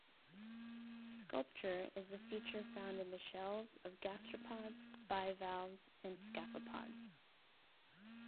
Sculpture is a feature found in the shells of gastropods, bivalves, and scaphopods.